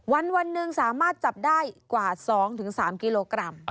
วันหนึ่งสามารถจับได้กว่า๒๓กิโลกรัม